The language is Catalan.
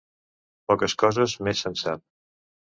Poques coses més se'n sap.